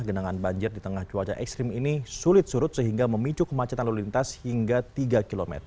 genangan banjir di tengah cuaca ekstrim ini sulit surut sehingga memicu kemacetan lalu lintas hingga tiga km